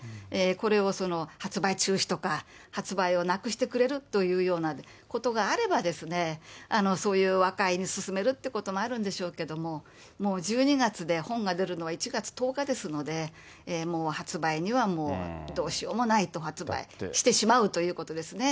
これを発売中止とか、発売をなくしてくれるというようなことがあれば、そういう和解に進めるってこともあるんでしょうけども、もう１２月で、本が出るのは１月１０日ですので、もう発売にはどうしようもないと、発売してしまうということですね。